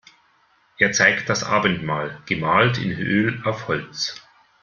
Er zeigt das Abendmahl, gemalt in Öl auf Holz.